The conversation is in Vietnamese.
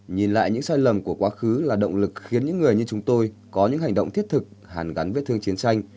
nhìn lại những sai lầm của quá khứ là động lực khiến những người như chúng tôi có những hành động thiết thực hàn gắn với thương chiến tranh